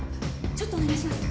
ちょっとお願いします